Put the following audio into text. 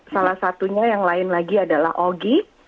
salah satunya yang lain lagi adalah ogi